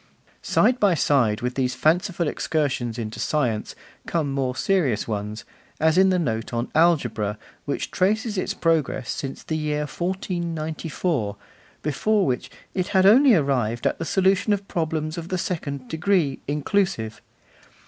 Side by side with these fanciful excursions into science, come more serious ones, as in the note on Algebra, which traces its progress since the year 1494, before which 'it had only arrived at the solution of problems of the second degree, inclusive.